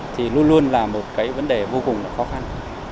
thì luôn luôn là một cái vấn đề vô cùng khó khăn